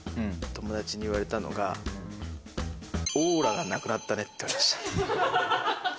友達に言われたのがオーラがなくなったねって言われました。